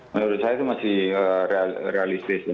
menurut saya itu masih realistis ya